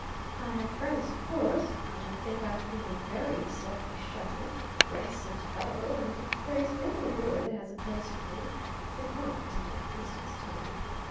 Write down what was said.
I have friends, of course; I don't think I've been a very sulky, shut in, reticent fellow; and there is many a board that has a place for me but not at Christmastime.